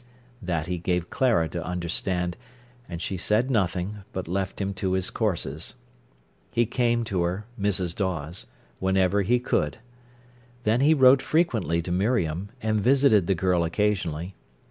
That he gave Clara to understand, and she said nothing, but left him to his courses. He came to her, Mrs. Dawes, whenever he could. Then he wrote frequently to Miriam, and visited the girl occasionally.